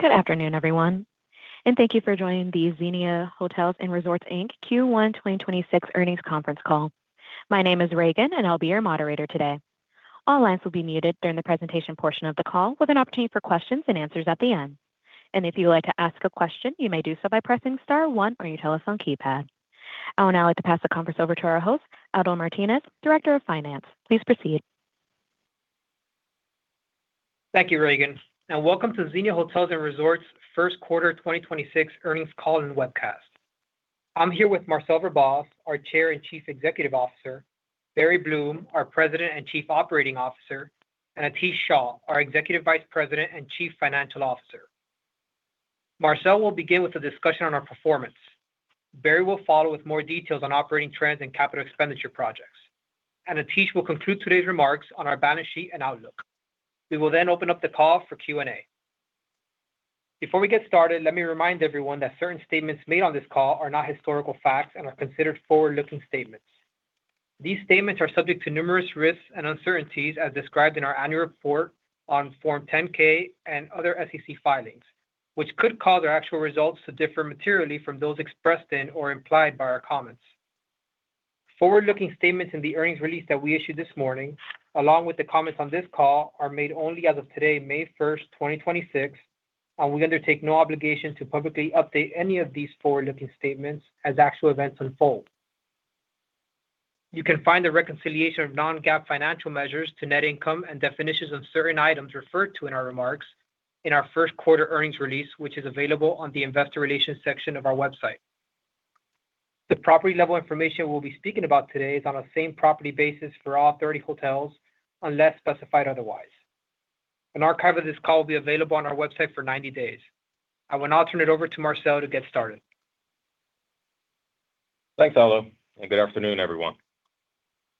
Good afternoon, everyone, and thank you for joining the Xenia Hotels & Resorts, Inc Q1 2026 Earnings Conference Call. My name is Reagan, and I'll be your moderator today. All lines will be muted during the presentation portion of the call, with an opportunity for questions and answers at the end. If you'd like to ask a question, you may do so by pressing star one on your telephone keypad. I would now like to pass the conference over to our host, Aldo Martinez, Director of Finance. Please proceed. Thank you, Reagan, and welcome to Xenia Hotels & Resorts first quarter 2026 earnings call and webcast. I'm here with Marcel Verbaas, our Chair and Chief Executive Officer, Barry Bloom, our President and Chief Operating Officer, and Atish Shah, our Executive Vice President and Chief Financial Officer. Marcel will begin with a discussion on our performance. Barry will follow with more details on operating trends and capital expenditure projects. Atish will conclude today's remarks on our balance sheet and outlook. We will then open up the call for Q&A. Before we get started, let me remind everyone that certain statements made on this call are not historical facts and are considered forward-looking statements. These statements are subject to numerous risks and uncertainties as described in our annual report on Form 10-K and other SEC filings, which could cause our actual results to differ materially from those expressed in or implied by our comments. Forward-looking statements in the earnings release that we issued this morning, along with the comments on this call, are made only as of today, May 1, 2026, and we undertake no obligation to publicly update any of these forward-looking statements as actual events unfold. You can find the reconciliation of non-GAAP financial measures to net income and definitions of certain items referred to in our remarks in our first quarter earnings release, which is available on the investor relations section of our website. The property-level information we'll be speaking about today is on a Same-Property basis for all 30 hotels unless specified otherwise. An archive of this call will be available on our website for 90 days. I will now turn it over to Marcel to get started. Thanks, Aldo. Good afternoon, everyone.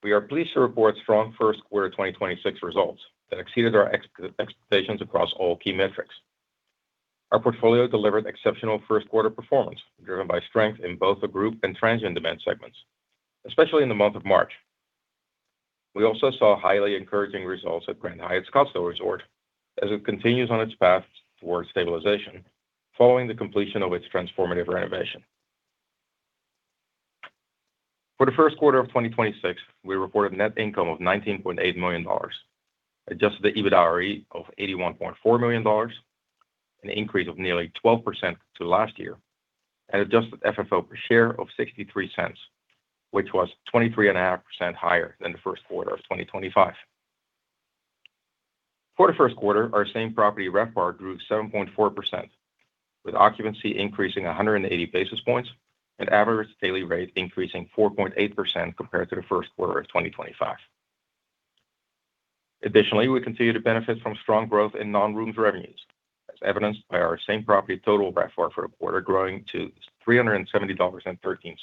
We are pleased to report strong first quarter 2026 results that exceeded our expectations across all key metrics. Our portfolio delivered exceptional first quarter performance, driven by strength in both the group and transient demand segments, especially in the month of March. We also saw highly encouraging results at Grand Hyatt Scottsdale Resort as it continues on its path towards stabilization following the completion of its transformative renovation. For the first quarter of 2026, we reported net income of $19.8 million, Adjusted EBITDA of $81.4 million, an increase of nearly 12% to last year, and adjusted FFO per share of $0.63, which was 23.5% higher than the first quarter of 2025. For the first quarter, our Same-Property RevPAR grew 7.4%, with occupancy increasing 180 basis points and average daily rate increasing 4.8% compared to the first quarter of 2025. Additionally, we continue to benefit from strong growth in non-room revenues, as evidenced by our Same-Property total RevPAR for the quarter growing to $370.13,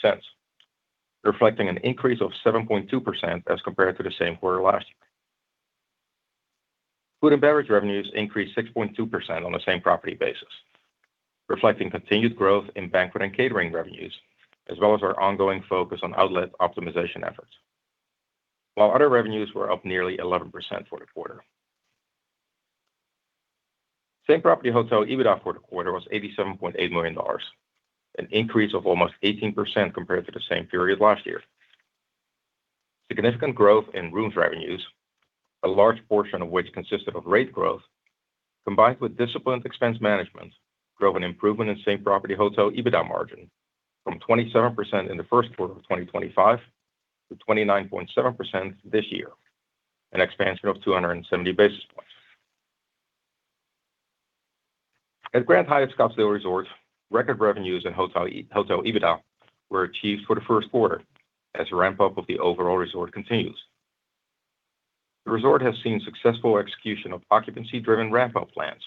reflecting an increase of 7.2% as compared to the same quarter last year. Food and beverage revenues increased 6.2% on the Same-Property basis, reflecting continued growth in banquet and catering revenues, as well as our ongoing focus on outlet optimization efforts, while other revenues were up nearly 11% for the quarter. Same-Property hotel EBITDA for the quarter was $87.8 million, an increase of almost 18% compared to the same period last year. Significant growth in rooms revenues, a large portion of which consisted of rate growth, combined with disciplined expense management, drove an improvement in Same-Property hotel EBITDA margin from 27% in the first quarter of 2025 to 29.7% this year, an expansion of 270 basis points. At Grand Hyatt Scottsdale Resort, record revenues and hotel EBITDA were achieved for the first quarter as a ramp-up of the overall resort continues. The resort has seen successful execution of occupancy driven ramp-up plans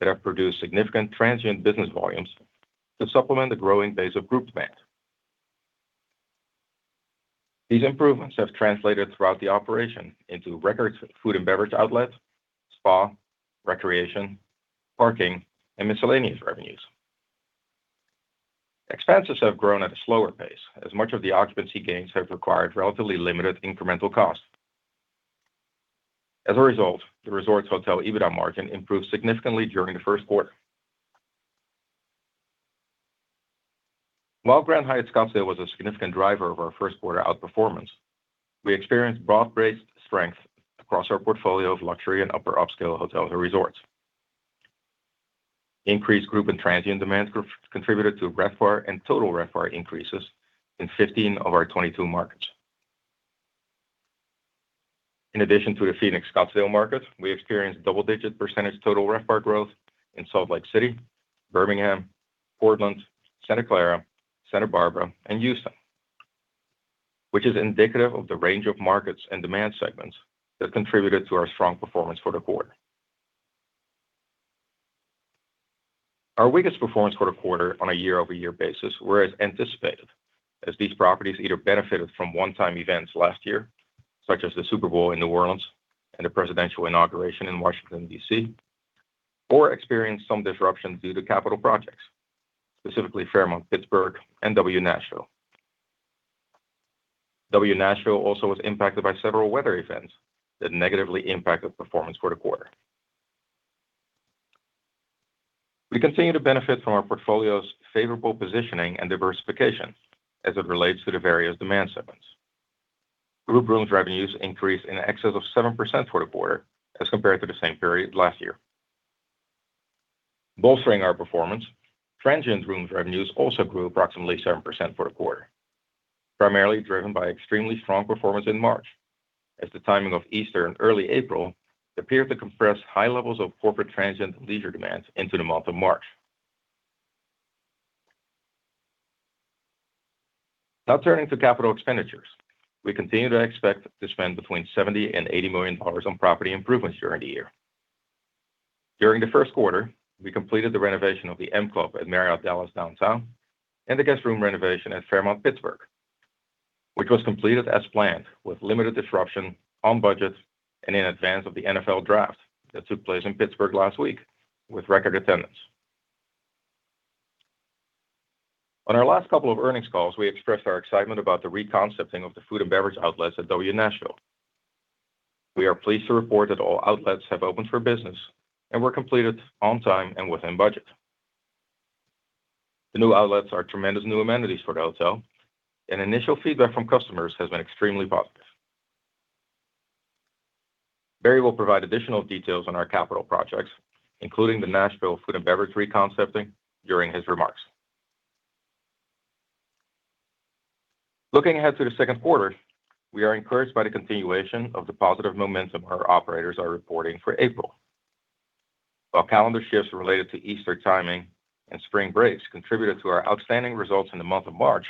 that have produced significant transient business volumes to supplement the growing base of group demand. These improvements have translated throughout the operation into record food and beverage outlets, spa, recreation, parking, and miscellaneous revenues. Expenses have grown at a slower pace as much of the occupancy gains have required relatively limited incremental costs. As a result, the resort's hotel EBITDA margin improved significantly during the first quarter. While Grand Hyatt Scottsdale was a significant driver of our first quarter outperformance, we experienced broad-based strength across our portfolio of luxury and upper upscale hotels or resorts. Increased group and transient demand contributed to RevPAR and total RevPAR increases in 15 of our 22 markets. In addition to the Phoenix, Scottsdale market, we experienced double-digit percentage total RevPAR growth in Salt Lake City, Birmingham, Portland, Santa Clara, Santa Barbara, and Houston, which is indicative of the range of markets and demand segments that contributed to our strong performance for the quarter. Our weakest performance for the quarter on a year-over-year basis were as anticipated, as these properties either benefited from one-time events last year, such as the Super Bowl in New Orleans and the presidential inauguration in Washington, D.C., or experienced some disruption due to capital projects, specifically Fairmont Pittsburgh and W Nashville. W Nashville also was impacted by several weather events that negatively impacted performance quarter. We continue to benefit from our portfolio's favorable positioning and diversification as it relates to the various demand segments. Group rooms revenues increased in excess of 7% for the quarter as compared to the same period last year. Bolstering our performance, transient room revenues also grew approximately 7% for the quarter, primarily driven by extremely strong performance in March as the timing of Easter and early April appeared to compress high levels of corporate transient leisure demands into the month of March. Turning to capital expenditures. We continue to expect to spend between $70 million and $80 million on property improvements during the year. During the first quarter, we completed the renovation of the M Club at Marriott Dallas Downtown and the guest room renovation at Fairmont Pittsburgh, which was completed as planned with limited disruption on budget and in advance of the NFL Draft that took place in Pittsburgh last week with record attendance. On our last couple of earnings calls, we expressed our excitement about the re-concepting of the food and beverage outlets at W Nashville. We are pleased to report that all outlets have opened for business and were completed on time and within budget. The new outlets are tremendous new amenities for the hotel, initial feedback from customers has been extremely positive. Barry will provide additional details on our capital projects, including the Nashville food and beverage re-concepting during his remarks. Looking ahead to the second quarter, we are encouraged by the continuation of the positive momentum our operators are reporting for April. While calendar shifts related to Easter timing and spring breaks contributed to our outstanding results in the month of March,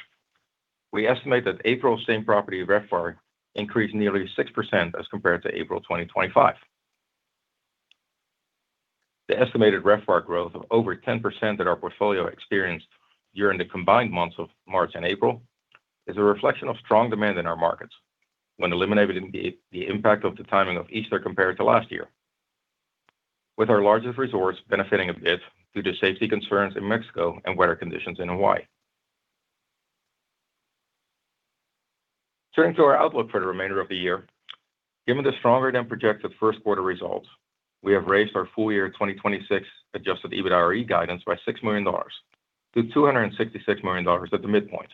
we estimate that April Same-Property RevPAR increased nearly 6% as compared to April 2025. The estimated RevPAR growth of over 10% that our portfolio experienced during the combined months of March and April is a reflection of strong demand in our markets when eliminated the impact of the timing of Easter compared to last year, with our largest resorts benefiting a bit due to safety concerns in Mexico and weather conditions in Hawaii. Turning to our outlook for the remainder of the year. Given the stronger than projected first quarter results, we have raised our full year 2026 Adjusted EBITDAre guidance by $6 million to $266 million at the midpoint.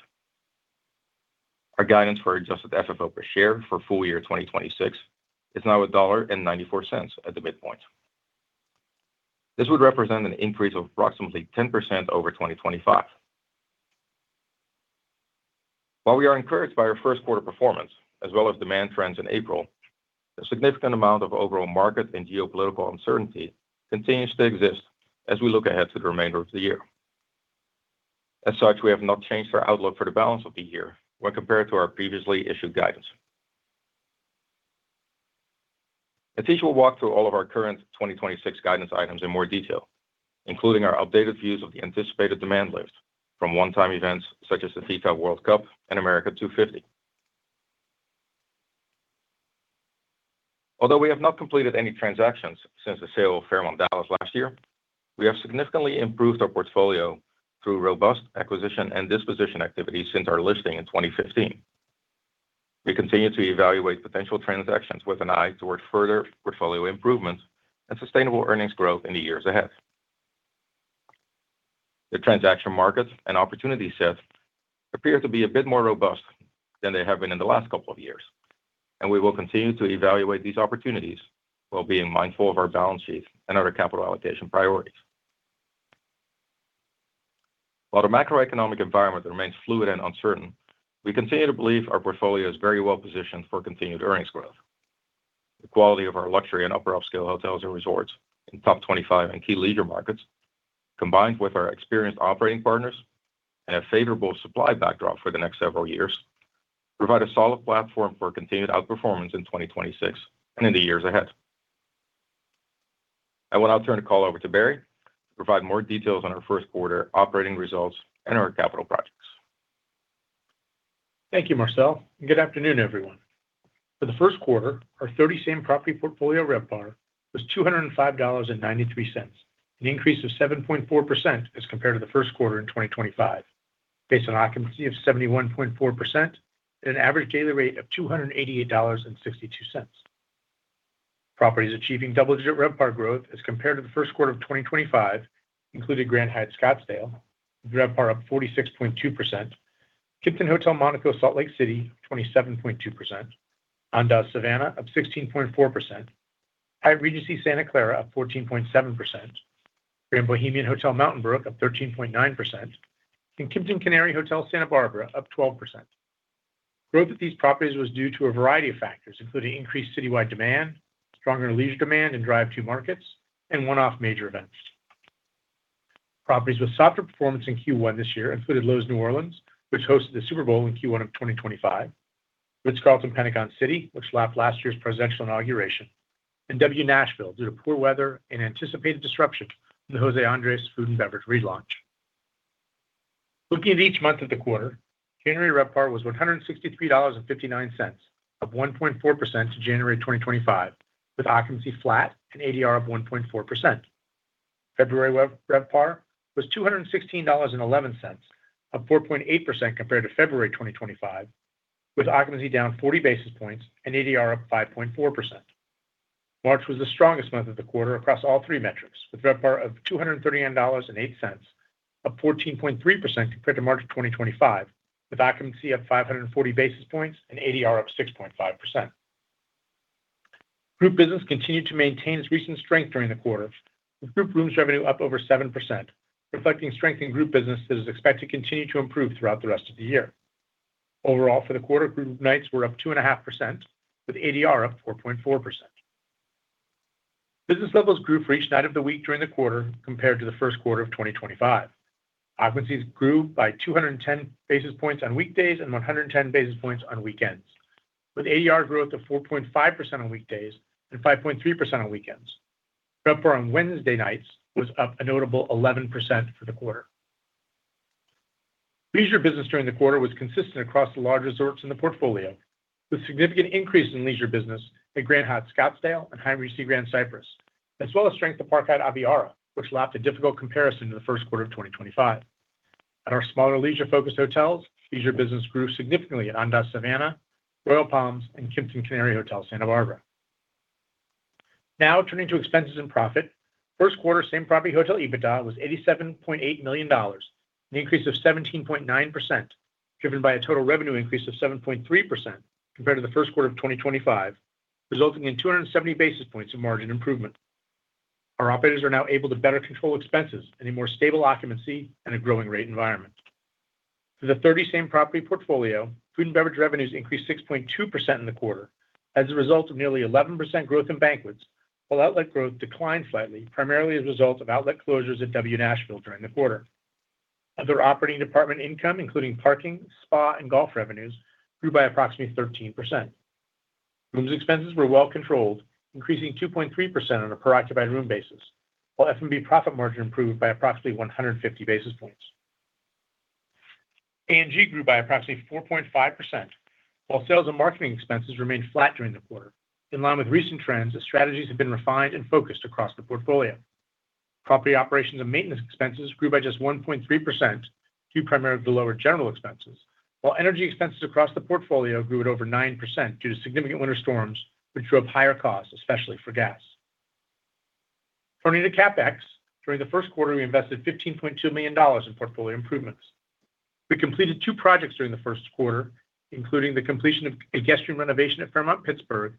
Our guidance for adjusted FFO per share for full year 2026 is now $1.94 at the midpoint. This would represent an increase of approximately 10% over 2025. We are encouraged by our first quarter performance as well as demand trends in April, a significant amount of overall market and geopolitical uncertainty continues to exist as we look ahead to the remainder of the year. We have not changed our outlook for the balance of the year when compared to our previously issued guidance. Atish will walk through all of our current 2026 guidance items in more detail, including our updated views of the anticipated demand lift from one-time events such as the FIFA World Cup and America 250. Although we have not completed any transactions since the sale of Fairmont Dallas last year, we have significantly improved our portfolio through robust acquisition and disposition activity since our listing in 2015. We continue to evaluate potential transactions with an eye toward further portfolio improvements and sustainable earnings growth in the years ahead. The transaction markets and opportunity sets appear to be a bit more robust than they have been in the last couple of years, and we will continue to evaluate these opportunities while being mindful of our balance sheet and other capital allocation priorities. While the macroeconomic environment remains fluid and uncertain, we continue to believe our portfolio is very well positioned for continued earnings growth. The quality of our luxury and upper upscale hotels and resorts in top 25 and key leisure markets, combined with our experienced operating partners and a favorable supply backdrop for the next several years, provide a solid platform for continued outperformance in 2026 and in the years ahead. I will now turn the call over to Barry to provide more details on our first quarter operating results and our capital projects. Thank you, Marcel, and good afternoon, everyone. For the first quarter, our 30 Same-Property portfolio RevPAR was $205.93, an increase of 7.4% as compared to the first quarter in 2025, based on occupancy of 71.4% and an average daily rate of $288.62. Properties achieving double-digit RevPAR growth as compared to the first quarter of 2025 included Grand Hyatt Scottsdale, RevPAR up 46.2%, Kimpton Hotel Monaco Salt Lake City, 27.2%, Andaz Savannah, up 16.4%, Hyatt Regency Santa Clara, up 14.7%, Grand Bohemian Hotel Mountain Brook, up 13.9%, and Kimpton Canary Hotel Santa Barbara, up 12%. Growth at these properties was due to a variety of factors, including increased citywide demand, stronger leisure demand in drive two markets, and one-off major events. Properties with softer performance in Q1 this year included Loews New Orleans, which hosted the Super Bowl in Q1 of 2025, The Ritz-Carlton, Pentagon City, which lapped last year's presidential inauguration, and W Nashville, due to poor weather and anticipated disruption from the José Andrés food and beverage relaunch. Looking at each month of the quarter, January RevPAR was $163.59, up 1.4% to January 2025, with occupancy flat and ADR up 1.4%. February RevPAR was $216.11, up 4.8% compared to February 2025, with occupancy down 40 basis points and ADR up 5.4%. March was the strongest month of the quarter across all three metrics, with RevPAR of $239.08, up 14.3% compared to March of 2025, with occupancy up 540 basis points and ADR up 6.5%. Group business continued to maintain its recent strength during the quarter, with group rooms revenue up over 7%, reflecting strength in group business that is expected to continue to improve throughout the rest of the year. Overall, for the quarter, group nights were up 2.5%, with ADR up 4.4%. Business levels grew for each night of the week during the quarter compared to the first quarter of 2025. Occupancies grew by 210 basis points on weekdays and 110 basis points on weekends, with ADR growth of 4.5% on weekdays and 5.3% on weekends. RevPAR on Wednesday nights was up a notable 11% for the quarter. Leisure business during the quarter was consistent across the large resorts in the portfolio, with significant increase in leisure business at Grand Hyatt Scottsdale and Hyatt Regency Grand Cypress, as well as strength at Park Hyatt Aviara, which lapped a difficult comparison to the first quarter of 2025. At our smaller leisure-focused hotels, leisure business grew significantly at Andaz Savannah, Royal Palms, and Kimpton Canary Hotel Santa Barbara. Now turning to expenses and profit. First quarter Same-Property hotel EBITDA was $87.8 million, an increase of 17.9%, driven by a total revenue increase of 7.3% compared to the first quarter of 2025, resulting in 270 basis points of margin improvement. Our operators are now able to better control expenses in a more stable occupancy and a growing rate environment. For the 30 Same-Property portfolio, food and beverage revenues increased 6.2% in the quarter as a result of nearly 11% growth in banquets, while outlet growth declined slightly, primarily as a result of outlet closures at W Nashville during the quarter. Other operating department income, including parking, spa, and golf revenues, grew by approximately 13%. Rooms expenses were well controlled, increasing 2.3% on a per occupied room basis, while F&B profit margin improved by approximately 150 basis points. A&G grew by approximately 4.5%, while sales and marketing expenses remained flat during the quarter. In line with recent trends, the strategies have been refined and focused across the portfolio. Property operations and maintenance expenses grew by just 1.3% due primarily to lower general expenses, while energy expenses across the portfolio grew at over 9% due to significant winter storms, which drove higher costs, especially for gas. Turning to CapEx, during the first quarter, we invested $15.2 million in portfolio improvements. We completed two projects during the first quarter, including the completion of a guest room renovation at Fairmont Pittsburgh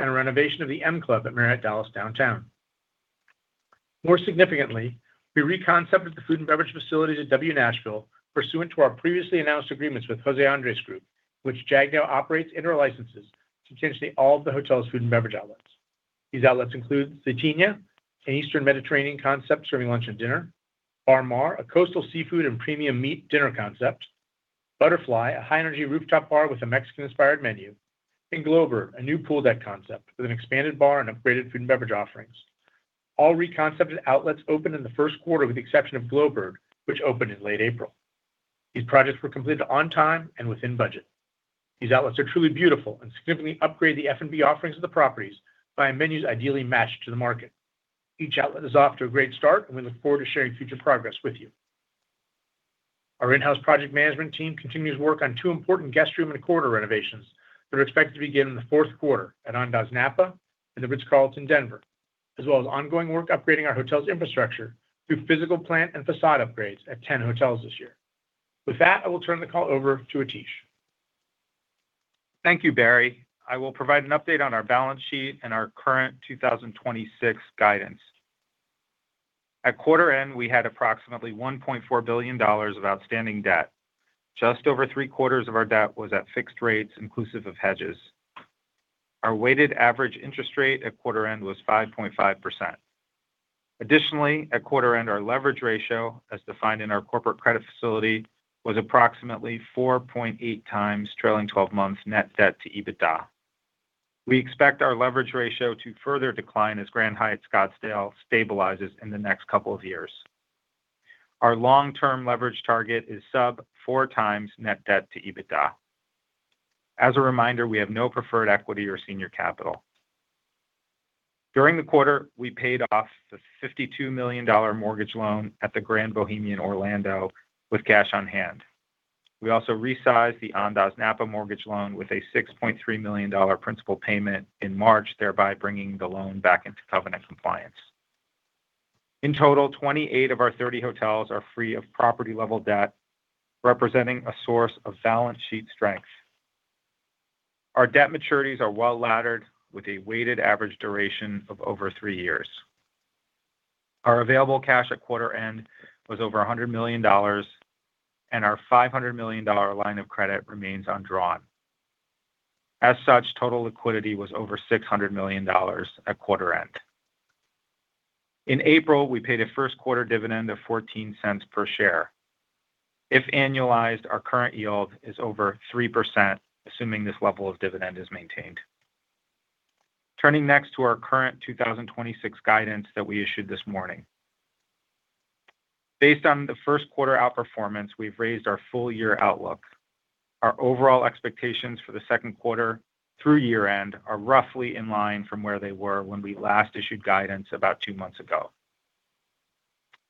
and a renovation of the M Club at Marriott Dallas Downtown. More significantly, we reconcepted the food and beverage facilities at W Nashville pursuant to our previously announced agreements with José Andrés Group, which JAG now operates under licenses to potentially all of the hotel's food and beverage outlets. These outlets include Zaytinya, an Eastern Mediterranean concept serving lunch and dinner, Bar Mar, a coastal seafood and premium meat dinner concept, Butterfly, a high-energy rooftop bar with a Mexican-inspired menu, and Glowbird, a new pool deck concept with an expanded bar and upgraded food and beverage offerings. All reconcepted outlets opened in the first quarter with the exception of Glowbird, which opened in late April. These projects were completed on time and within budget. These outlets are truly beautiful and significantly upgrade the F&B offerings of the properties by menus ideally matched to the market. Each outlet is off to a great start, and we look forward to sharing future progress with you. Our in-house project management team continues work on two important guest room and corridor renovations that are expected to begin in the fourth quarter at Andaz Napa and The Ritz-Carlton, Denver, as well as ongoing work upgrading our hotel's infrastructure through physical plant and facade upgrades at 10 hotels this year. With that, I will turn the call over to Atish. Thank you, Barry. I will provide an update on our balance sheet and our current 2026 guidance. At quarter end, we had approximately $1.4 billion of outstanding debt. Just over three quarters of our debt was at fixed rates inclusive of hedges. Our weighted average interest rate at quarter end was 5.5%. Additionally, at quarter end, our leverage ratio, as defined in our corporate credit facility, was approximately 4.8x trailing 12 months net debt to EBITDA. We expect our leverage ratio to further decline as Grand Hyatt Scottsdale stabilizes in the next couple of years. Our long-term leverage target is sub 4x net debt to EBITDA. As a reminder, we have no preferred equity or senior capital. During the quarter, we paid off the $52 million mortgage loan at The Grand Bohemian Orlando with cash on hand. We also resized the Andaz Napa mortgage loan with a $6.3 million principal payment in March, thereby bringing the loan back into covenant compliance. In total, 28 of our 30 hotels are free of property-level debt, representing a source of balance sheet strength. Our debt maturities are well laddered with a weighted average duration of over three years. Our available cash at quarter end was over $100 million, and our $500 million line of credit remains undrawn. As such, total liquidity was over $600 million at quarter end. In April, we paid a first quarter dividend of $0.14 per share. If annualized, our current yield is over 3%, assuming this level of dividend is maintained. Turning next to our current 2026 guidance that we issued this morning. Based on the 1st quarter outperformance, we've raised our full year outlook. Our overall expectations for the second quarter through year-end are roughly in line from where they were when we last issued guidance about two months ago.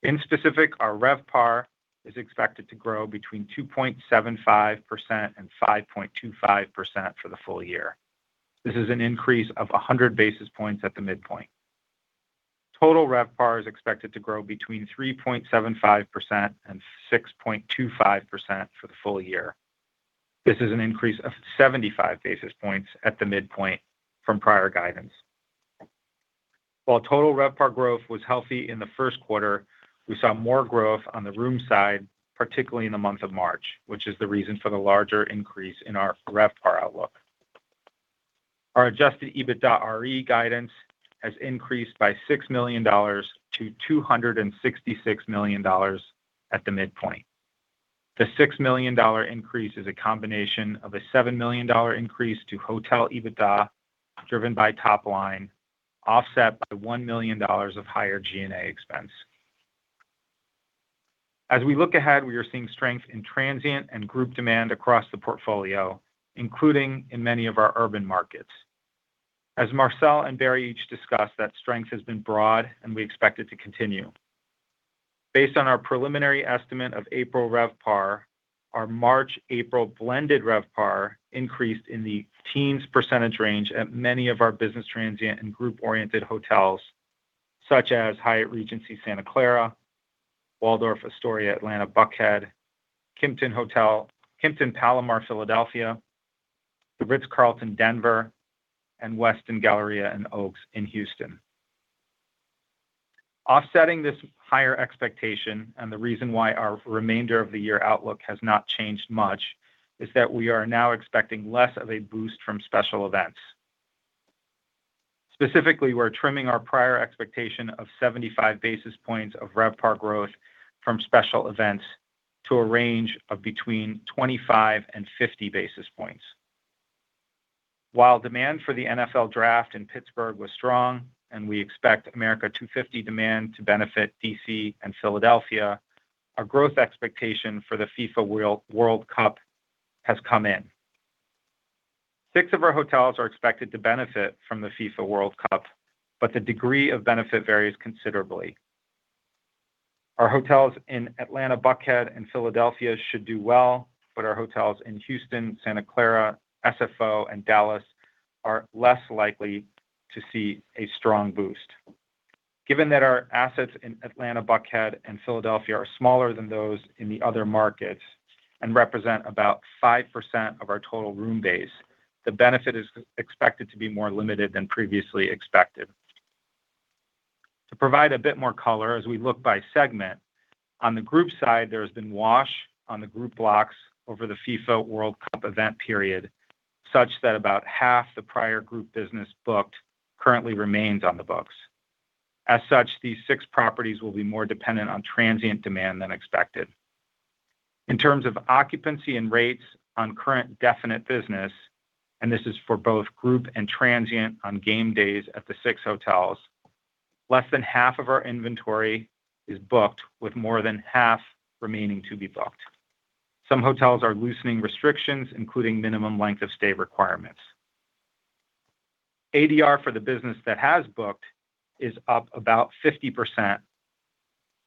In specific, our RevPAR is expected to grow between 2.75% and 5.25% for the full year. This is an increase of 100 basis points at the midpoint. Total RevPAR is expected to grow between 3.75% and 6.25% for the full year. This is an increase of 75 basis points at the midpoint from prior guidance. While total RevPAR growth was healthy in the first quarter, we saw more growth on the room side, particularly in the month of March, which is the reason for the larger increase in our RevPAR outlook. Our adjusted EBITDAre guidance has increased by $6 million to $266 million at the midpoint. The $6 million increase is a combination of a $7 million increase to hotel EBITDA driven by top line, offset by $1 million of higher G&A expense. As we look ahead, we are seeing strength in transient and group demand across the portfolio, including in many of our urban markets. As Marcel and Barry each discussed, that strength has been broad, and we expect it to continue. Based on our preliminary estimate of April RevPAR, our March/April blended RevPAR increased in the teens percentage range at many of our business transient and group-oriented hotels, such as Hyatt Regency Santa Clara, Waldorf Astoria Atlanta Buckhead, Kimpton Hotel Palomar Philadelphia, The Ritz-Carlton, Denver, and Westin Galleria and Oaks Houston. Offsetting this higher expectation and the reason why our remainder of the year outlook has not changed much is that we are now expecting less of a boost from special events. Specifically, we're trimming our prior expectation of 75 basis points of RevPAR growth from special events to a range of between 25 and 50 basis points. While demand for the NFL Draft in Pittsburgh was strong and we expect America 250 demand to benefit D.C. and Philadelphia, our growth expectation for the FIFA World Cup has come in. Six of our hotels are expected to benefit from the FIFA World Cup, but the degree of benefit varies considerably. Our hotels in Atlanta, Buckhead, and Philadelphia should do well, but our hotels in Houston, Santa Clara, SFO, and Dallas are less likely to see a strong boost. Given that our assets in Atlanta, Buckhead, and Philadelphia are smaller than those in the other markets and represent about 5% of our total room base, the benefit is expected to be more limited than previously expected. To provide a bit more color as we look by segment, on the group side, there has been wash on the group blocks over the FIFA World Cup event period, such that about half the prior group business booked currently remains on the books. As such, these six properties will be more dependent on transient demand than expected. In terms of occupancy and rates on current definite business, this is for both group and transient on game days at the six hotels, less than half of our inventory is booked, with more than half remaining to be booked. Some hotels are loosening restrictions, including minimum length of stay requirements. ADR for the business that has booked is up about 50%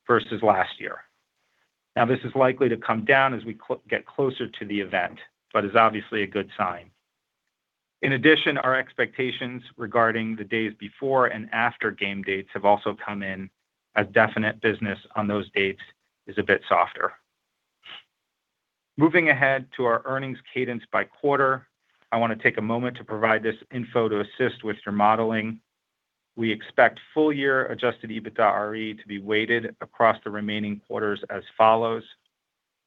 versus last year. This is likely to come down as we get closer to the event but is obviously a good sign. In addition, our expectations regarding the days before and after game dates have also come in as definite business on those dates is a bit softer. Moving ahead to our earnings cadence by quarter, I want to take a moment to provide this info to assist with your modeling. We expect full year adjusted EBITDAre to be weighted across the remaining quarters as follows: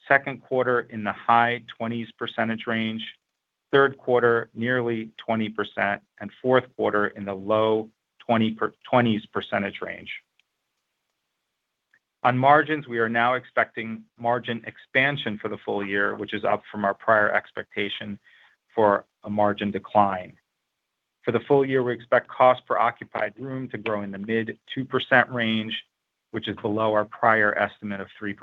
second quarter in the high 20s percentage range, third quarter nearly 20%, and fourth quarter in the low 20s percentage range. On margins, we are now expecting margin expansion for the full year, which is up from our prior expectation for a margin decline. For the full year, we expect cost per occupied room to grow in the mid 2% range, which is below our prior estimate of 3%.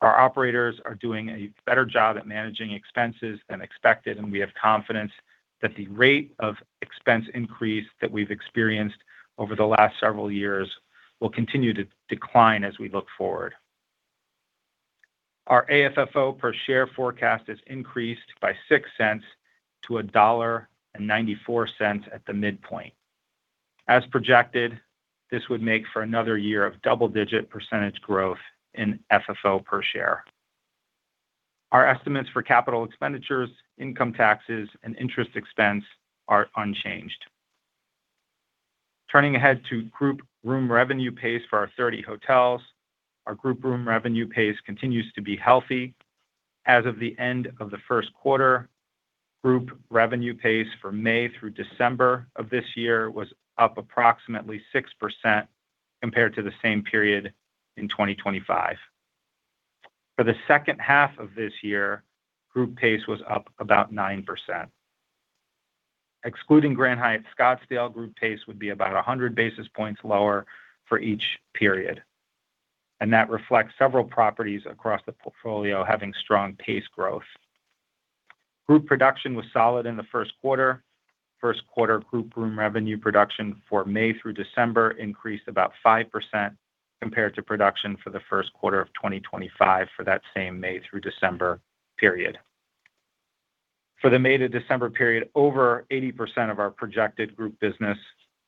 Our operators are doing a better job at managing expenses than expected. We have confidence that the rate of expense increase that we've experienced over the last several years will continue to decline as we look forward. Our AFFO per share forecast is increased by $0.06 to $1.94 at the midpoint. As projected, this would make for another year of double-digit percentage growth in FFO per share. Our estimates for capital expenditures, income taxes, and interest expense are unchanged. Turning ahead to group room revenue pace for our 30 hotels. Our group room revenue pace continues to be healthy. As of the end of the first quarter, group revenue pace for May through December of this year was up approximately 6% compared to the same period in 2025. For the second half of this year, group pace was up about 9%. Excluding Grand Hyatt Scottsdale, group pace would be about 100 basis points lower for each period. That reflects several properties across the portfolio having strong pace growth. Group production was solid in the first quarter. First quarter group room revenue production for May through December increased about 5% compared to production for the first quarter of 2025 for that same May through December period. For the May to December period, over 80% of our projected group business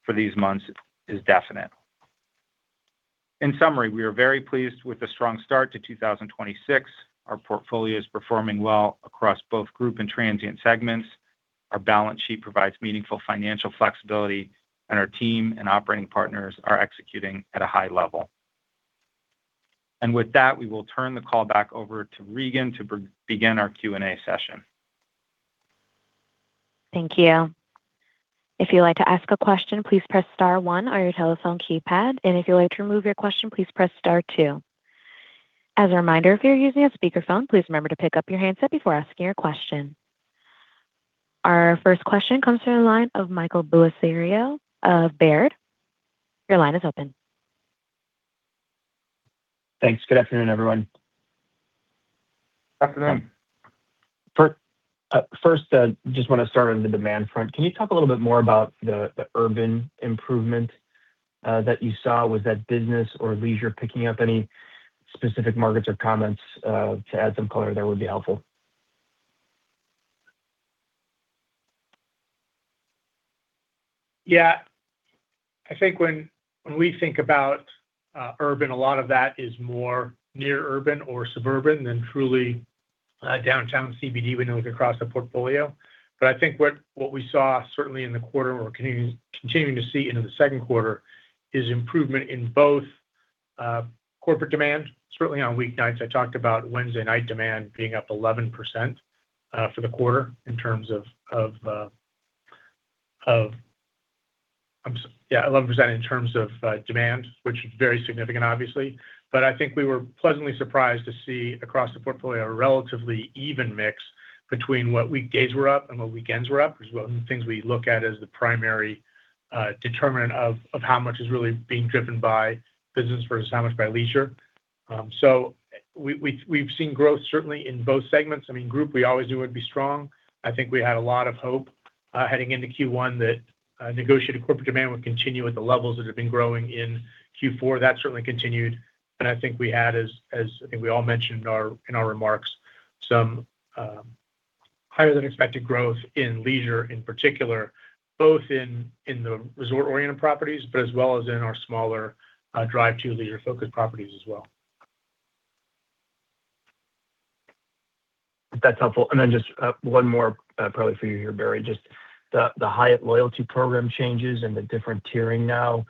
for these months is definite. In summary, we are very pleased with the strong start to 2026. Our portfolio is performing well across both group and transient segments. Our balance sheet provides meaningful financial flexibility, and our team and operating partners are executing at a high level. With that, we will turn the call back over to Reagan to begin our Q&A session. Thank you. If you would like to ask a question, please press star one on your telephone keypad and if you are going to remove your question, please press star two. As a reminder, use your speaker phone, please remember to pick up your handset before asking a question. Our first question comes from the line of Michael Bellisario of Baird. Your line is open. Thanks. Good afternoon, everyone. Afternoon. First, just wanna start on the demand front. Can you talk a little bit more about the urban improvement that you saw? Was that business or leisure picking up? Any specific markets or comments to add some color there would be helpful. Yeah. I think when we think about urban, a lot of that is more near urban or suburban than truly downtown CBD when you look across the portfolio. I think what we saw certainly in the quarter, and we're continuing to see into the second quarter, is improvement in both corporate demand, certainly on weeknights. I talked about Wednesday night demand being up 11%, for the quarter in terms of demand, which is very significant obviously. I think we were pleasantly surprised to see across the portfolio a relatively even mix between what weekdays were up and what weekends were up. Those are the things we look at as the primary determinant of how much is really being driven by business versus how much by leisure. We've seen growth certainly in both segments. I mean, group, we always knew would be strong. I think we had a lot of hope heading into Q1 that negotiated corporate demand would continue at the levels that had been growing in Q4. That certainly continued, and I think we had, as I think we all mentioned in our remarks, some higher than expected growth in leisure in particular, both in the resort-oriented properties, but as well as in our smaller, drive to leisure-focused properties as well. That's helpful. Just one more, probably for you here, Barry. Just the Hyatt loyalty program changes and the different tiering now,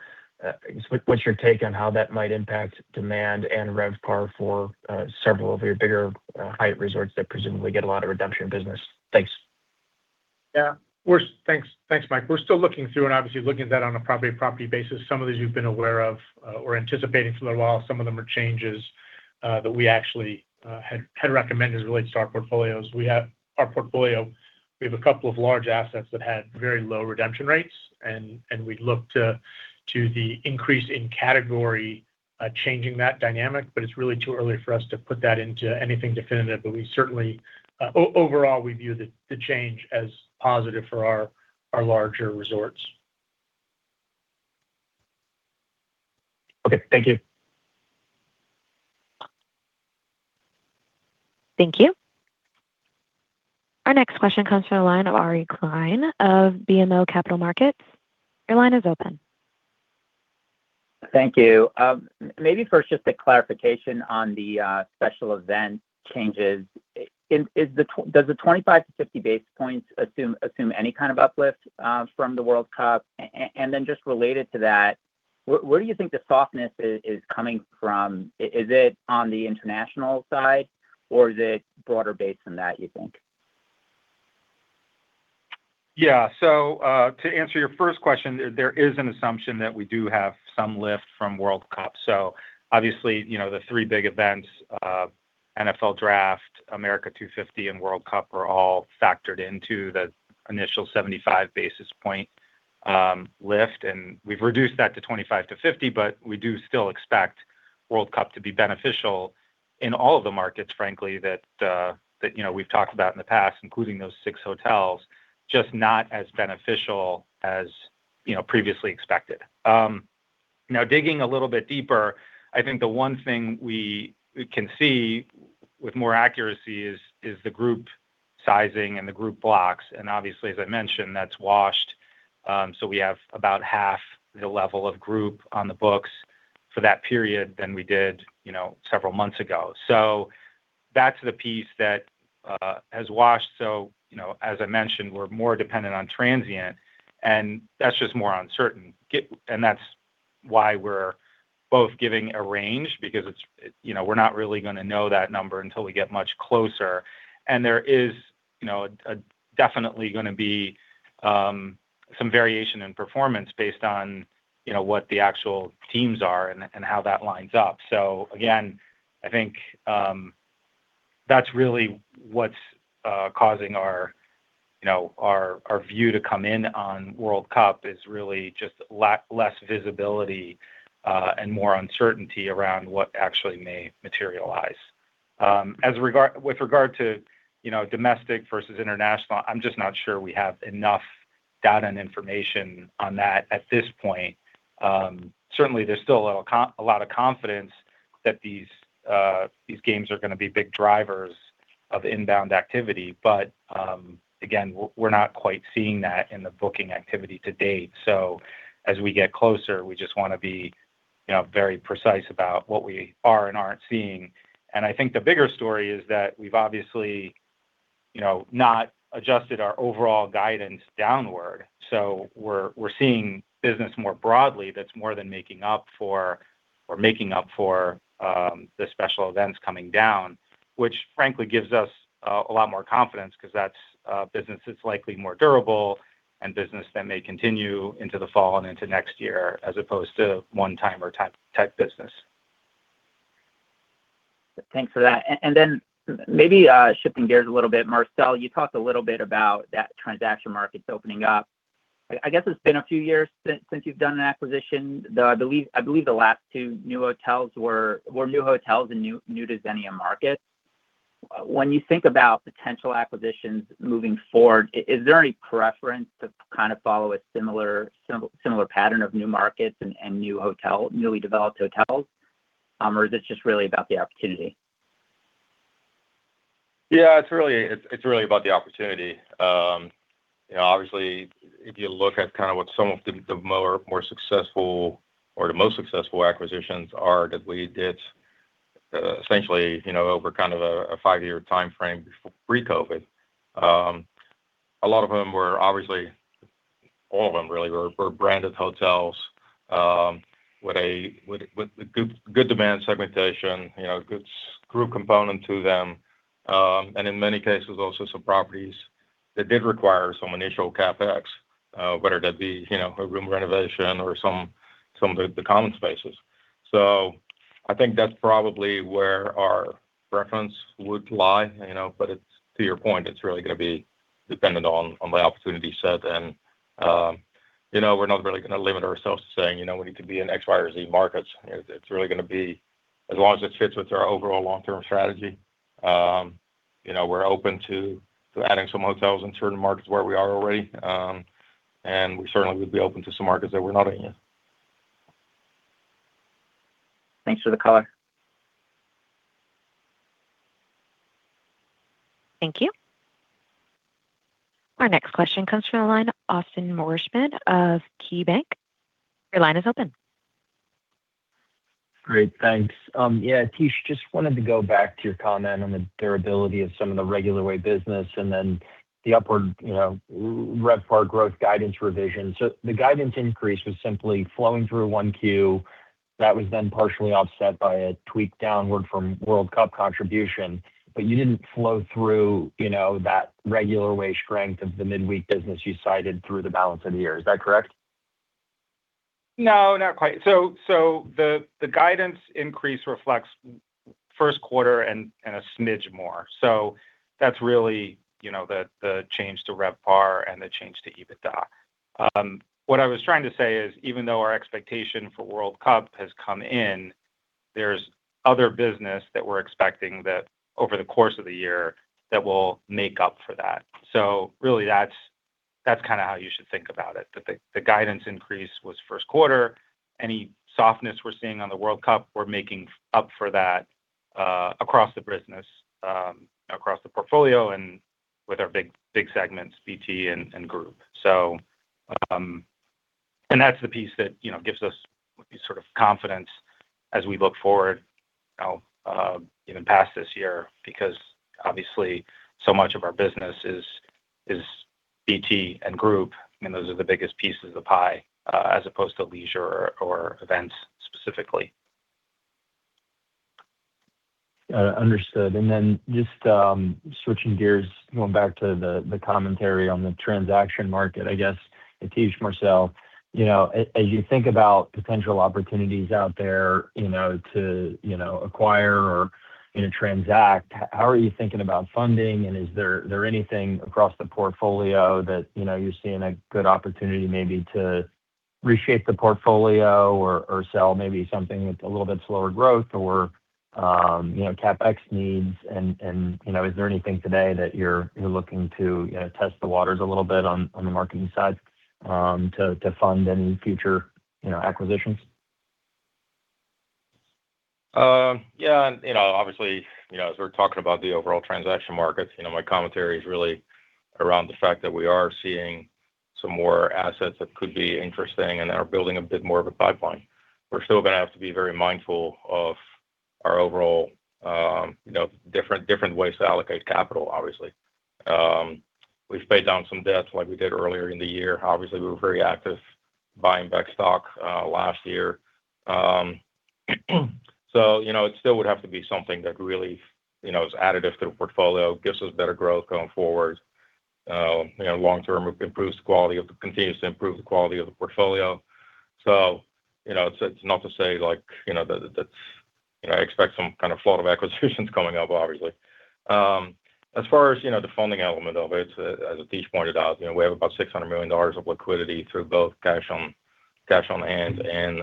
what's your take on how that might impact demand and RevPAR for several of your bigger Hyatt resorts that presumably get a lot of redemption business? Thanks. Thanks. Thanks, Mike. We're still looking through and obviously looking at that on a property by property basis. Some of these you've been aware of, or anticipating for a while. Some of them are changes that we actually had recommended as it relates to our portfolios. Our portfolio, we have a couple of large assets that had very low redemption rates, and we'd look to the increase in category, changing that dynamic, but it's really too early for us to put that into anything definitive. We certainly overall, we view the change as positive for our larger resorts. Okay. Thank you. Thank you. Our next question comes from the line of Ari Klein of BMO Capital Markets. Your line is open. Thank you. Maybe first just a clarification on the special event changes. Does the 25 to 50 basis points assume any kind of uplift from the World Cup? And then just related to that, where do you think the softness is coming from? Is it on the international side, or is it broader based than that, you think? To answer your first question, there is an assumption that we do have some lift from World Cup. Obviously, you know, the three big events, NFL Draft, America 250, and World Cup are all factored into the initial 75 basis point lift. We've reduced that to 25 to 50, but we do still expect World Cup to be beneficial in all of the markets, frankly, that, you know, we've talked about in the past, including those six hotels, just not as beneficial as, you know, previously expected. Now digging a little bit deeper, I think the one thing we can see with more accuracy is the group sizing and the group blocks. Obviously, as I mentioned, that's washed, so we have about half the level of group on the books for that period than we did several months ago. That's the piece that has washed. As I mentioned, we're more dependent on transient, and that's just more uncertain. That's why we're both giving a range because it's, we're not really gonna know that number until we get much closer. There is definitely gonna be some variation in performance based on what the actual teams are and how that lines up. Again, I think that's really what's causing our view to come in on World Cup is really just less visibility and more uncertainty around what actually may materialize. With regard to, you know, domestic versus international, I'm just not sure we have enough data and information on that at this point. Certainly there's still a lot of confidence that these games are gonna be big drivers of inbound activity. Again, we're not quite seeing that in the booking activity to date. As we get closer, we just wanna be, you know, very precise about what we are and aren't seeing. I think the bigger story is that we've obviously, you know, not adjusted our overall guidance downward, so we're seeing business more broadly that's more than making up for, or making up for, the special events coming down, which frankly gives us a lot more confidence 'cause that's business that's likely more durable and business that may continue into the fall and into next year, as opposed to one-time or type business. Thanks for that. Then maybe, shifting gears a little bit, Marcel, you talked a little bit about that transaction markets opening up. I guess it's been a few years since you've done an acquisition, though I believe the last two new hotels were new hotels in new to Xenia markets. When you think about potential acquisitions moving forward, is there any preference to kind of follow a similar pattern of new markets and newly developed hotels, or is it just really about the opportunity? Yeah, it's really about the opportunity. You know, obviously if you look at kind of what some of the more successful or the most successful acquisitions are that we did, essentially, you know, over kind of a five-year timeframe pre-COVID. All of them really were branded hotels, with a good demand segmentation, you know, a good group component to them. In many cases, also some properties that did require some initial CapEx, whether that be, you know, a room renovation or some of the common spaces. I think that's probably where our preference would lie, you know. It's, to your point, it's really gonna be dependent on the opportunity set. You know, we're not really gonna limit ourselves to saying, you know, we need to be in X, Y, or Z markets. It's really gonna be as long as it fits with our overall long-term strategy. You know, we're open to adding some hotels in certain markets where we are already. We certainly would be open to some markets that we're not in yet. Thanks for the color. Thank you. Our next question comes from the line of Austin Wurschmidt of KeyBanc. Your line is open. Great, thanks. Yeah, Atish, just wanted to go back to your comment on the durability of some of the regular way business and then the upward RevPAR growth guidance revision. The guidance increase was simply flowing through 1Q that was then partially offset by a tweak downward from World Cup contribution. You didn't flow through that regular way strength of the midweek business you cited through the balance of the year. Is that correct? Not quite. The guidance increase reflects first quarter and a smidge more. That's really, you know, the change to RevPAR and the change to EBITDA. What I was trying to say is, even though our expectation for World Cup has come in, there's other business that we're expecting that over the course of the year that will make up for that. Really that's kinda how you should think about it. The guidance increase was first quarter. Any softness we're seeing on the World Cup, we're making up for that across the business, across the portfolio and with our big segments, BT and Group. That's the piece that, you know, gives us the sort of confidence as we look forward, you know, even past this year, because obviously so much of our business is BT and Group, and those are the biggest pieces of the pie, as opposed to leisure or events specifically. Understood. Just switching gears, going back to the commentary on the transaction market, I guess, Atish, Marcel, you know, as you think about potential opportunities out there, you know, to, you know, acquire or, you know, transact, how are you thinking about funding? Is there anything across the portfolio that, you know, you're seeing a good opportunity maybe to reshape the portfolio or sell maybe something that's a little bit slower growth or, you know, CapEx needs? You know, is there anything today that you're looking to, you know, test the waters a little bit on the marketing side, to fund any future, you know, acquisitions? Yeah, you know, obviously, you know, as we're talking about the overall transaction markets, you know, my commentary is really around the fact that we are seeing some more assets that could be interesting and are building a bit more of a pipeline. We're still gonna have to be very mindful of our overall, you know, different ways to allocate capital, obviously. We've paid down some debts like we did earlier in the year. Obviously, we were very active buying back stock last year. So, you know, it still would have to be something that really, you know, is additive to the portfolio, gives us better growth going forward. You know, long term, continues to improve the quality of the portfolio. You know, it's not to say like, you know, that's, you know, I expect some kind of flood of acquisitions coming up, obviously. As far as, you know, the funding element of it, as Atish pointed out, you know, we have about $600 million of liquidity through both cash on hand and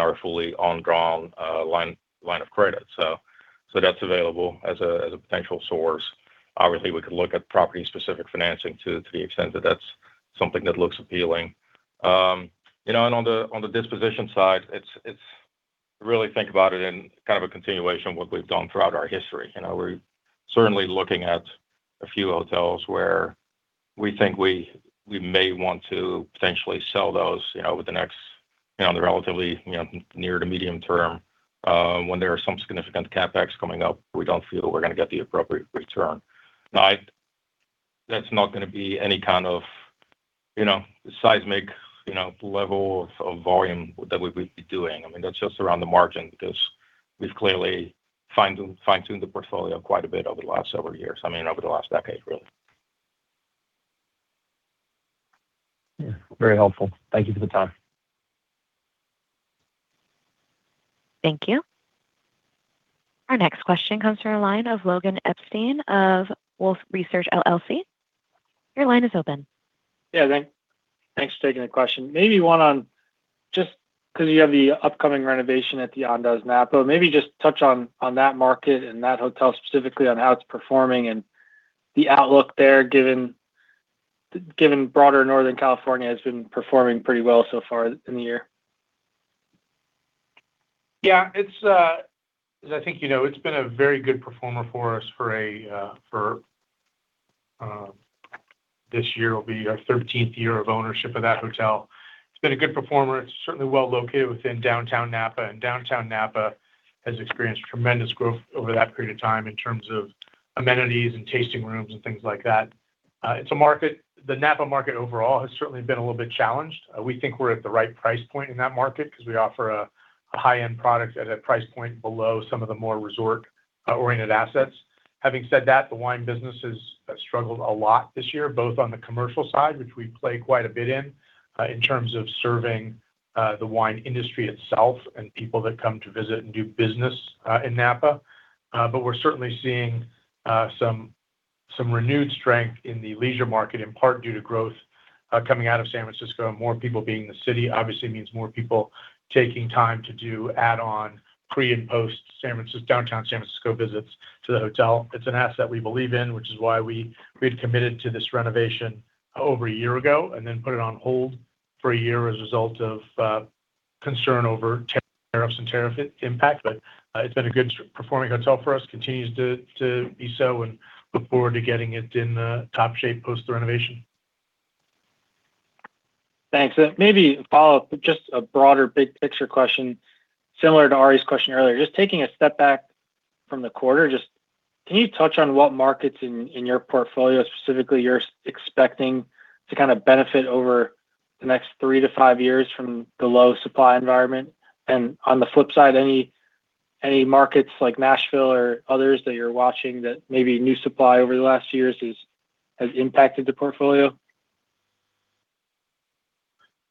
our fully undrawn line of credit. That's available as a potential source. Obviously, we could look at property-specific financing to the extent that that's something that looks appealing. You know, and on the disposition side, it's really think about it in kind of a continuation of what we've done throughout our history. You know, we're certainly looking at a few hotels where we think we may want to potentially sell those, you know, over the next, you know, the relatively, you know, near to medium term, when there are some significant CapEx coming up, we don't feel we're gonna get the appropriate return. That's not gonna be any kind of, you know, seismic, you know, level of volume that we would be doing. I mean, that's just around the margin because we've clearly fine-tuned the portfolio quite a bit over the last several years. I mean, over the last decade, really. Yeah, very helpful. Thank you for the time. Thank you. Our next question comes from the line of Logan Epstein of Wolfe Research, LLC. Your line is open. Yeah. Thanks for taking the question. Just because you have the upcoming renovation at the Andaz Napa, maybe just touch on that market and that hotel specifically on how it's performing and the outlook there, given broader Northern California has been performing pretty well so far in the year. Yeah. As I think you know, it's been a very good performer for us for this year will be our 13th year of ownership of that hotel. It's been a good performer. It's certainly well located within downtown Napa, and downtown Napa has experienced tremendous growth over that period of time in terms of amenities and tasting rooms and things like that. The Napa market overall has certainly been a little bit challenged. We think we're at the right price point in that market because we offer a high-end product at a price point below some of the more resort oriented assets. Having said that, the wine business has struggled a lot this year, both on the commercial side, which we play quite a bit in terms of serving the wine industry itself and people that come to visit and do business in Napa. We're certainly seeing some renewed strength in the leisure market, in part due to growth coming out of San Francisco. More people being in the city obviously means more people taking time to do add-on pre- and post-downtown San Francisco visits to the hotel. It's an asset we believe in, which is why we had committed to this renovation over a year ago, and then put it on hold for a year as a result of concern over tariffs and tariff impact. It's been a good performing hotel for us, continues to be so, and look forward to getting it in top shape post the renovation. Thanks. Maybe a follow-up, just a broader big picture question, similar to Ari's question earlier. Just taking a step back from the quarter, just can you touch on what markets in your portfolio specifically you're expecting to kind of benefit over the next three to five years from the low supply environment? On the flip side, any markets like Nashville or others that you're watching that maybe new supply over the last years has impacted the portfolio?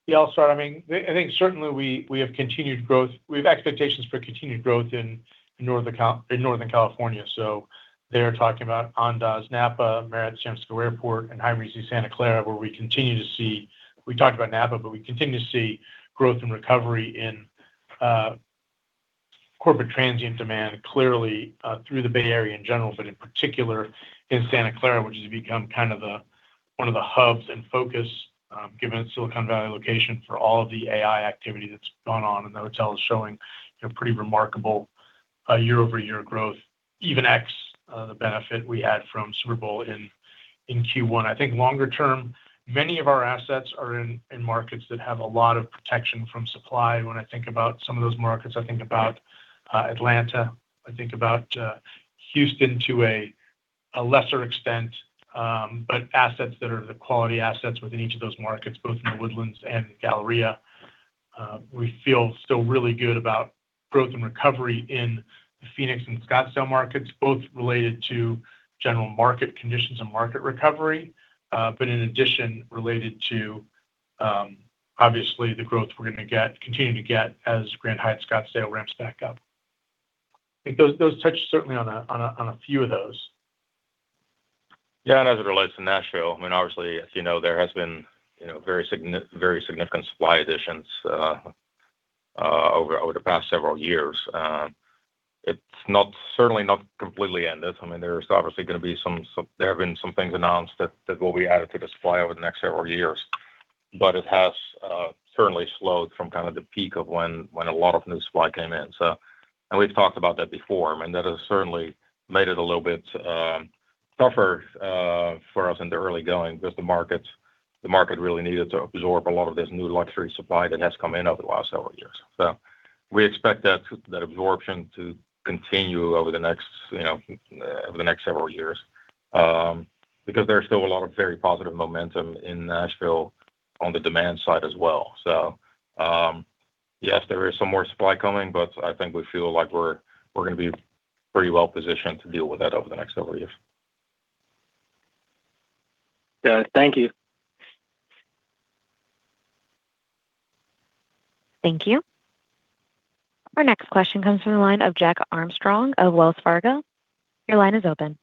Yeah, I'll start. I think certainly we have expectations for continued growth in Northern California. There, talking about Andaz Napa, Marriott San Francisco Airport, and Hyatt Regency Santa Clara, where we continue to see We talked about Napa, but we continue to see growth and recovery in corporate transient demand clearly through the Bay Area in general, but in particular in Santa Clara, which has become kind of the, one of the hubs and focus given its Silicon Valley location, for all of the AI activity that's gone on. The hotel is showing pretty remarkable year-over-year growth, even ex the benefit we had from Super Bowl in Q1. I think longer term, many of our assets are in markets that have a lot of protection from supply. When I think about some of those markets, I think about Atlanta, I think about Houston to a lesser extent. Assets that are the quality assets within each of those markets, both in The Woodlands and Galleria. We feel still really good about growth and recovery in the Phoenix and Scottsdale markets, both related to general market conditions and market recovery, but in addition, related to obviously the growth we're gonna get, continue to get as Grand Hyatt Scottsdale ramps back up. I think those touch certainly on a few of those. Yeah. As it relates to Nashville, I mean, obviously, as you know, there has been, you know, very significant supply additions over the past several years. It's not, certainly not completely ended. I mean, there's obviously gonna be some. There have been some things announced that will be added to the supply over the next several years. It has certainly slowed from kind of the peak of when a lot of new supply came in. We've talked about that before, and that has certainly made it a little bit tougher for us in the early going because the market really needed to absorb a lot of this new luxury supply that has come in over the last several years. We expect that absorption to continue over the next, you know, over the next several years, because there's still a lot of very positive momentum in Nashville on the demand side as well. Yes, there is some more supply coming, but I think we feel like we're gonna be pretty well-positioned to deal with that over the next several years. Thank you. Thank you. Our next question comes from the line of Jack Armstrong of Wells Fargo. Your line is open.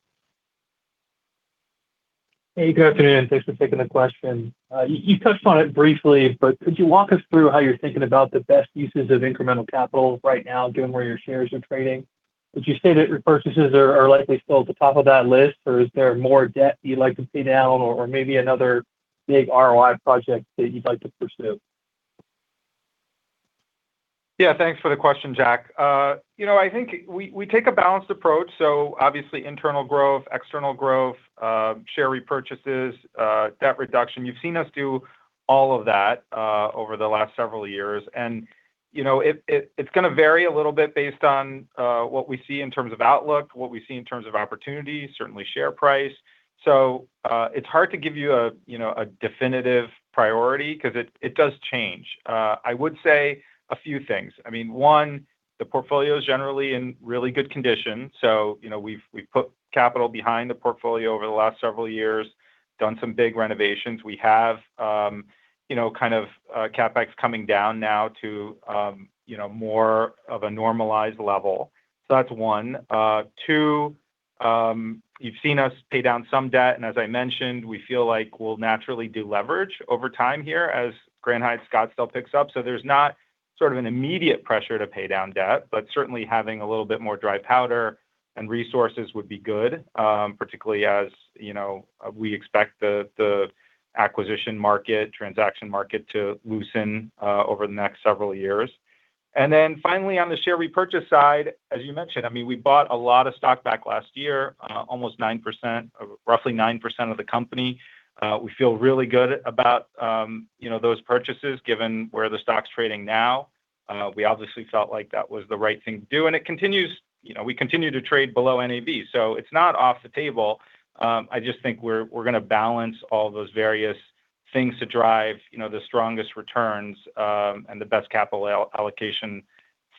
Hey, good afternoon. Thanks for taking the question. You touched on it briefly, could you walk us through how you're thinking about the best uses of incremental capital right now, given where your shares are trading? Would you say that repurchases are likely still at the top of that list, or is there more debt that you'd like to see down or maybe another big ROI project that you'd like to pursue? Yeah, thanks for the question, Jack. You know, I think we take a balanced approach, so obviously internal growth, external growth, share repurchases, debt reduction. You've seen us do all of that over the last several years. You know, it, it's gonna vary a little bit based on what we see in terms of outlook, what we see in terms of opportunities, certainly share price. It's hard to give you a, you know, a definitive priority 'cause it does change. I would say a few things. I mean, one, the portfolio's generally in really good condition, so, you know, we've put capital behind the portfolio over the last several years, done some big renovations. We have, you know, kind of, CapEx coming down now to, you know, more of a normalized level. That's one. Two, you've seen us pay down some debt, and as I mentioned, we feel like we'll naturally deleverage over time here as Grand Hyatt Scottsdale picks up. There's not sort of an immediate pressure to pay down debt. Certainly having a little bit more dry powder and resources would be good, particularly as, you know, we expect the acquisition market, transaction market to loosen over the next several years. Finally, on the share repurchase side, as you mentioned, I mean, we bought a lot of stock back last year, roughly 9% of the company. We feel really good about, you know, those purchases, given where the stock's trading now. We obviously felt like that was the right thing to do, and it continues. You know, we continue to trade below NAV. It's not off the table. I just think we're gonna balance all those various things to drive, you know, the strongest returns and the best capital allocation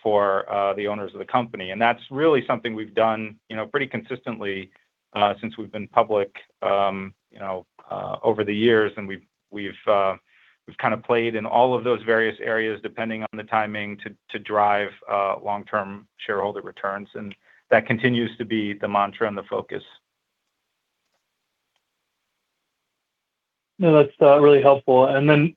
for the owners of the company. That's really something we've done, you know, pretty consistently since we've been public, you know, over the years, and we've kind of played in all of those various areas, depending on the timing, to drive long-term shareholder returns, and that continues to be the mantra and the focus. No, that's really helpful.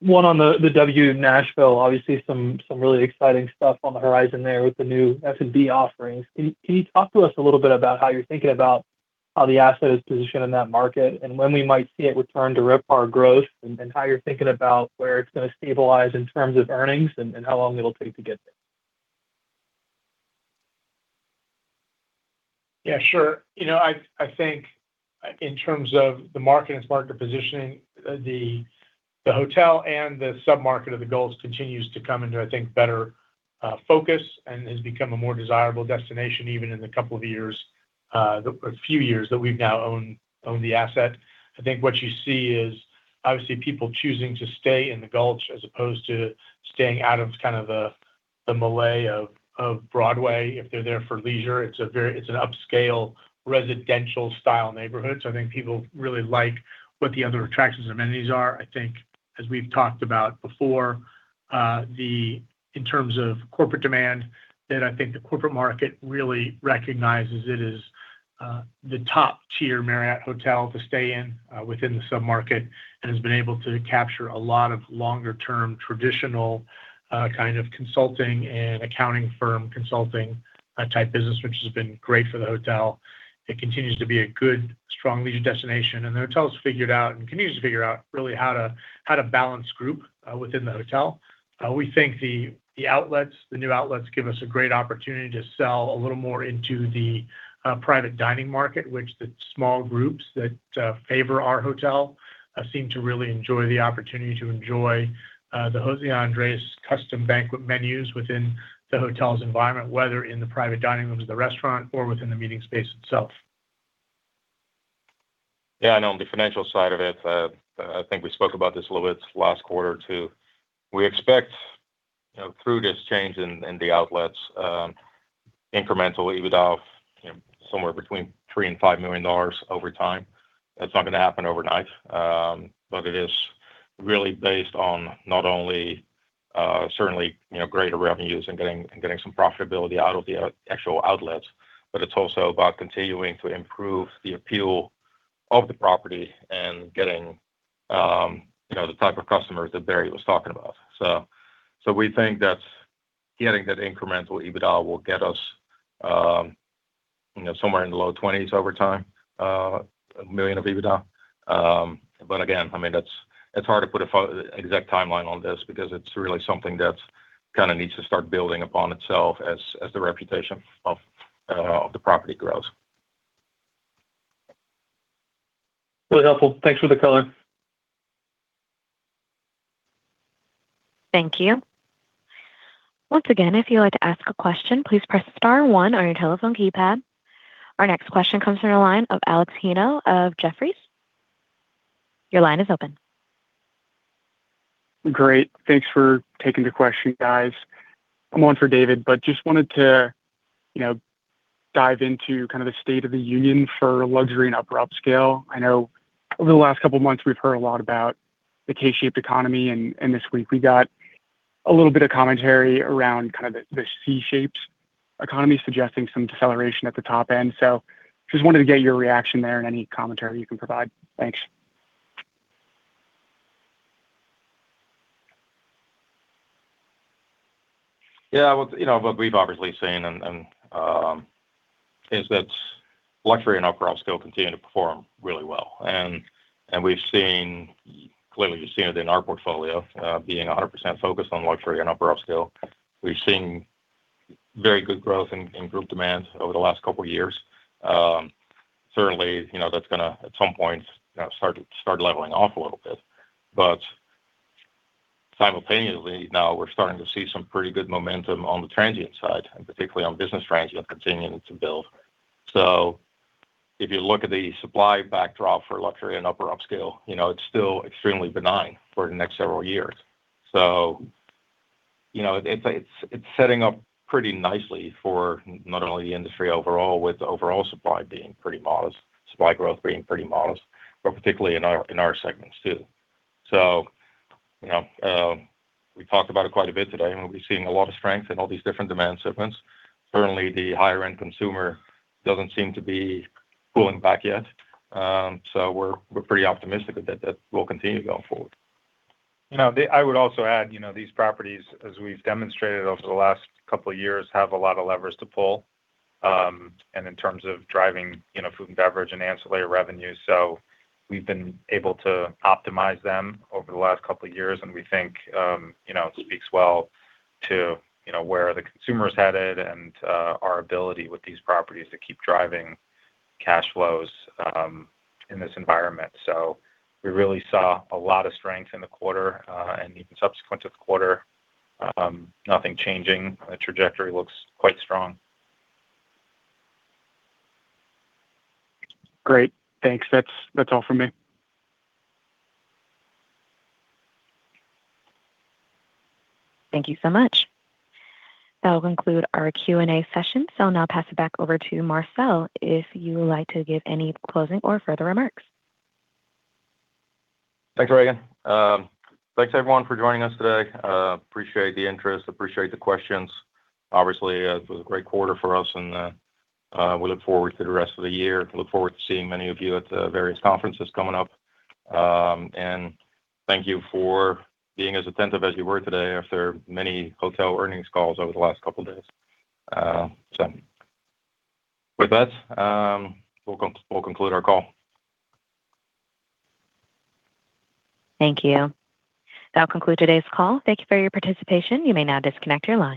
One on the W Nashville. Obviously some really exciting stuff on the horizon there with the new F&B offerings. Can you talk to us a little bit about how you're thinking about how the asset is positioned in that market, and when we might see it return to RevPAR growth, and how you're thinking about where it's gonna stabilize in terms of earnings and how long it'll take to get there? Yeah, sure. You know, I think in terms of the market and its market positioning, the hotel and the sub-market of The Gulch continues to come into, I think, better focus and has become a more desirable destination, even in the couple of years, the few years that we've now owned the asset. I think what you see is obviously people choosing to stay in The Gulch as opposed to staying out of kind of the melee of Broadway if they're there for leisure. It's a very upscale residential style neighborhood. I think people really like what the other attractions and amenities are. I think as we've talked about before. in terms of corporate demand, that I think the corporate market really recognizes it as the top-tier Marriott hotel to stay in within the sub-market, and has been able to capture a lot of longer term traditional kind of consulting and accounting firm consulting type business, which has been great for the hotel. It continues to be a good strong leisure destination, and the hotel's figured out, and continues to figure out really how to balance group within the hotel. We think the outlets, the new outlets give us a great opportunity to sell a little more into the private dining market, which the small groups that favor our hotel seem to really enjoy the opportunity to enjoy the José Andrés custom banquet menus within the hotel's environment, whether in the private dining rooms of the restaurant or within the meeting space itself. Yeah, I know on the financial side of it, I think we spoke about this a little bit last quarter too. We expect, you know, through this change in the outlets, incremental EBITDA of, you know, somewhere between $3 million-$5 million over time. That's not gonna happen overnight. It is really based on not only, certainly, you know, greater revenues and getting, and getting some profitability out of the actual outlets, but it's also about continuing to improve the appeal of the property and getting, you know, the type of customers that Barry was talking about. We think that's getting that incremental EBITDA will get us, you know, somewhere in the low $20 million over time of EBITDA. Again, I mean, it's hard to put a. Exact timeline on this because it's really something that's kinda needs to start building upon itself as the reputation of the property grows. Really helpful. Thanks for the color. Thank you. Once again, if you'd like to ask a question, please press star one on your telephone keypad. Our next question comes from the line of Alex Hino of Jefferies. Your line is open. Great. Thanks for taking the question, guys. I'm on for David. Just wanted to, you know, dive into kind of the state of the union for luxury and upper upscale. I know over the last couple of months we've heard a lot about the K-shaped economy, and this week we got a little bit of commentary around kind of the C-shaped economy suggesting some deceleration at the top end. Just wanted to get your reaction there and any commentary you can provide. Thanks. Well, you know, what we've obviously seen and is that luxury and upper upscale continue to perform really well. We've seen clearly you've seen it in our portfolio, being 100% focused on luxury and upper upscale. We've seen very good growth in group demand over the last couple years. Certainly, you know, that's gonna at some point start leveling off a little bit. Simultaneously now we're starting to see some pretty good momentum on the transient side, and particularly on business transient continuing to build. If you look at the supply backdrop for luxury and upper upscale, you know, it's still extremely benign for the next several years. You know, it's setting up pretty nicely for not only the industry overall with overall supply being pretty modest, supply growth being pretty modest, but particularly in our, in our segments too. You know, we talked about it quite a bit today, and we'll be seeing a lot of strength in all these different demand segments. Certainly the higher end consumer doesn't seem to be pulling back yet. We're pretty optimistic that that will continue going forward. You know, I would also add, you know, these properties, as we've demonstrated over the last couple years, have a lot of levers to pull, and in terms of driving, you know, food and beverage and ancillary revenue. We've been able to optimize them over the last couple of years, and we think, you know, it speaks well to, you know, where the consumer's headed and our ability with these properties to keep driving cash flows in this environment. We really saw a lot of strength in the quarter, and even subsequent to the quarter. Nothing changing. The trajectory looks quite strong. Great. Thanks. That's all for me. Thank you so much. That will conclude our Q&A session. I'll now pass it back over to Marcel, if you would like to give any closing or further remarks. Thanks, Reagan. Thanks everyone for joining us today. Appreciate the interest, appreciate the questions. Obviously, it was a great quarter for us and we look forward to the rest of the year. Look forward to seeing many of you at the various conferences coming up. Thank you for being as attentive as you were today after many hotel earnings calls over the last couple days. With that, we'll conclude our call. Thank you. That'll conclude today's call. Thank you for your participation. You may now disconnect your line.